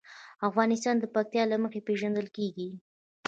افغانستان د پکتیا له مخې پېژندل کېږي.